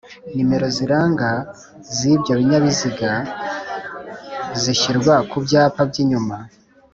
Nimero ziranga z'ibyo binyabiziga zishyirwa ku byapa by'icyuma